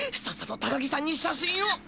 さっさと高木さんに写真を！